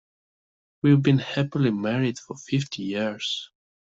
We've been happily married for fifty years.